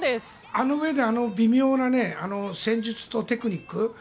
あの上であの微妙な戦術とテクニック。